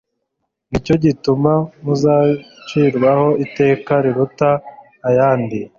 Nicyo gituma muzacirwaho iteka riruta ayandi. »